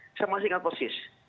saya masih ingat persis